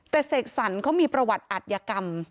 แต่เสกสรรเขามีประวัติอัธยกรรม